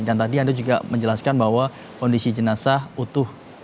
dan tadi anda juga menjelaskan bahwa kondisi jenazah utuh